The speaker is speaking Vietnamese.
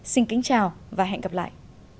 xin kính chào và hẹn gặp lại